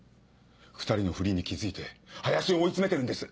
２人の不倫に気付いて林を追い詰めてるんです。